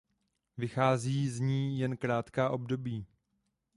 Vychází z ní jen na krátká období.